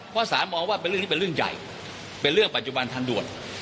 เพราะสารมองว่าเป็นเรื่องที่เป็นเรื่องใหญ่เป็นเรื่องปัจจุบันทันด่วน